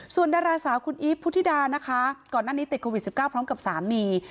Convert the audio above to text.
ส่วนดาราสาวคุณอีฟพุธิดานะคะก่อนหน้านี้ติดโควิด๑๙พร้อมกับสามี